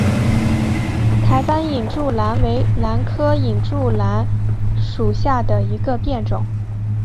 台湾隐柱兰为兰科隐柱兰属下的一个变种。